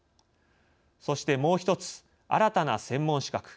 そしてもう１つ新たな専門資格